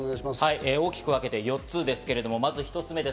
大きく分けて４つですけれども、まず１つ目。